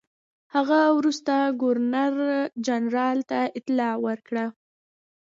هغه وروسته ګورنرجنرال ته اطلاع ورکړه.